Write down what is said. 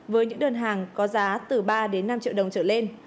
với những đơn hàng có giá từ ba năm triệu đồng trở lên